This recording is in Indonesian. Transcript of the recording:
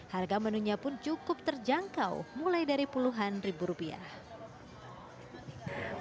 harga menunya pun cukup terjangkau mulai dari puluhan ribu rupiah